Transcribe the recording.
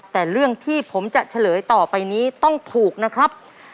แต่เรื่องที่ผมจะเฉลยต่อไปนี้ต้องถูกนะครับ